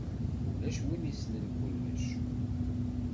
Ulac win issnen kullec.